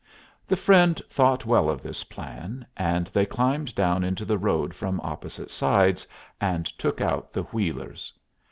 The friend thought well of this plan, and they climbed down into the road from opposite sides and took out the wheelers.